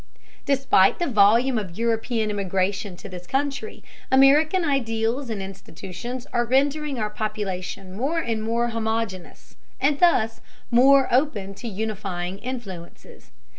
Despite the volume of European immigration to this country, American ideals and institutions are rendering our population more and more homogeneous, and thus more open to unifying influences.